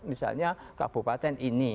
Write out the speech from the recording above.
misalnya kabupaten ini